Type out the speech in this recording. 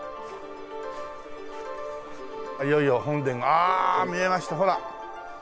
いよいよ本殿がああ見えましたほら。